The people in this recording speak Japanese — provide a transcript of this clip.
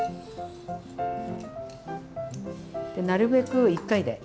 なるべく１回で。